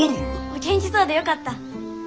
お元気そうでよかった。